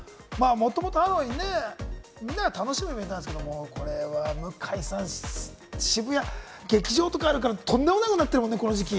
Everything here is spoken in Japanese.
もともとハロウィーンね、みんなで楽しむイベントなんですけれど、これは向井さん、渋谷は劇場とかあるから、とんでもないことになってるこの時期。